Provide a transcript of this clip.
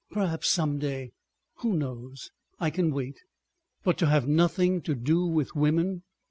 Perhaps some day——— Who knows? I can wait." "But to have nothing to do with women!"